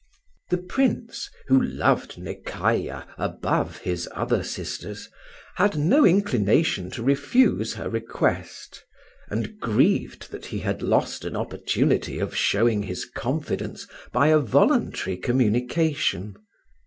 The Prince, who loved Nekayah above his other sisters, had no inclination to refuse her request, and grieved that he had lost an opportunity of showing his confidence by a voluntary communication.